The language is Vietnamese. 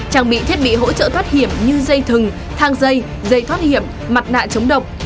trang bị thiết bị hỗ trợ thoát hiểm như dây thừng thang dây dây thoát hiểm mặt nạ chống độc